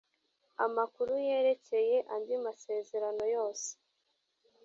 amakuru yerekeye andi masezerano yose